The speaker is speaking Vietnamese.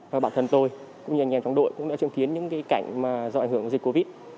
và bản thân tôi cũng như anh em trong đội cũng đã chứng kiến những cái cảnh mà do ảnh hưởng dịch covid